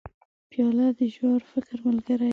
پیاله د ژور فکر ملګرې ده.